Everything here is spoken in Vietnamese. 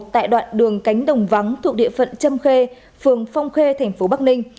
tại đoạn đường cánh đồng vắng thuộc địa phận châm khê phường phong khê tp bắc ninh